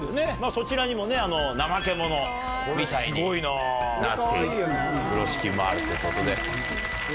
そちらにもねナマケモノみたいになっている風呂敷もあるということで。